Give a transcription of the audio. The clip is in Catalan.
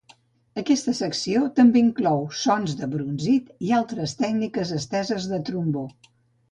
Aquesta secció també inclou sons de brunzit i altres tècniques esteses de trombó.